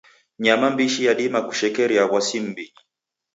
Nyama mbishi yadima kushekeria w'asi m'mbinyi.